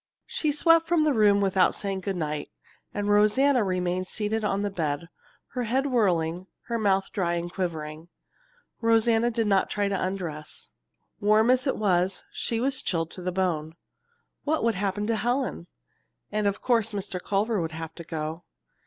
She swept from the room without saying good night, and Rosanna remained seated on the bed, her head whirling, her mouth dry and quivering. Rosanna did not try to undress. Warm as it was, she was chilled to the bone. What would happen to Helen? And of course Mr. Culver would have to go.